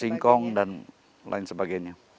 singkong dan lain sebagainya